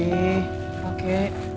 ini udah oke